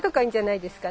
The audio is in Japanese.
いいですか？